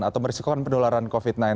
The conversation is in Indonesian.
atau merisiko penularan covid sembilan belas